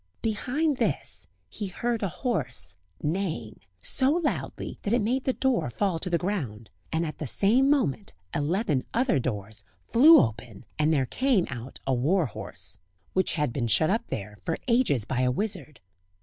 Behind this he heard a horse neighing, so loudly that it made the door fall to the ground, and at the same moment eleven other doors flew open and there came out a war horse, which had been shut up there for ages by a wizard.